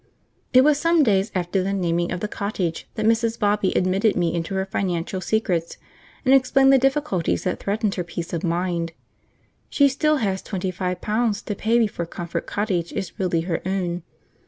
It was some days after the naming of the cottage that Mrs. Bobby admitted me into her financial secrets, and explained the difficulties that threatened her peace of mind. She still has twenty five pounds to pay before Comfort Cottage is really her own.